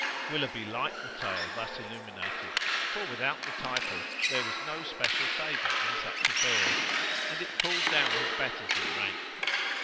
Willoughby liked the tale thus illuminated, for without the title there was no special savour in such affairs, and it pulled down his betters in rank.